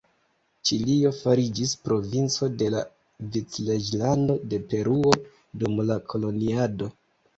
Ĉilio fariĝis provinco de la Vicreĝlando de Peruo dum la koloniado.